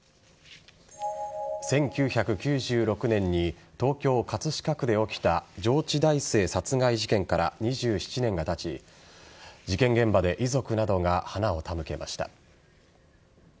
１９９６年に東京・葛飾区で起きた上智大生殺害事件から２７年がたち事件現場で遺族などが花を手向けました。